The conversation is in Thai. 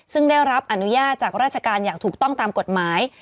ซึ่งได้รับอนุญาตจากราชการอย่างถูกต้องตามกฎหมาย